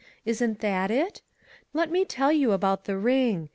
Isn't that it ? Let me tell you about the ring.